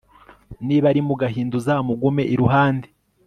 naba ari mu gahinda, uzamugume iruhande